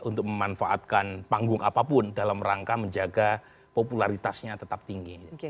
untuk memanfaatkan panggung apapun dalam rangka menjaga popularitasnya tetap tinggi